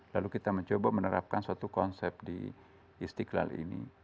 lalu kita mencoba menerapkan suatu konsep di istiqlal ini